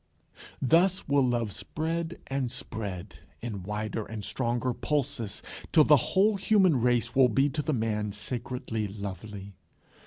Thus will love spread and spread in wider and stronger pulses till the whole human race will be to the man sacredly lovely.